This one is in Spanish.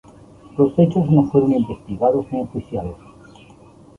Los hechos no fueron investigados ni enjuiciados.